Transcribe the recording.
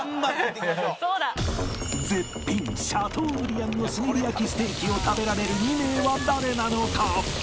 絶品シャトーブリアンの炭火焼きステーキを食べられる２名は誰なのか？